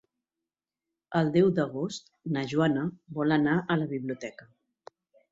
El deu d'agost na Joana vol anar a la biblioteca.